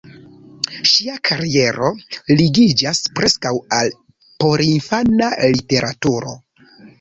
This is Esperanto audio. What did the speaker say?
Ŝia kariero ligiĝas preskaŭ al porinfana literaturo.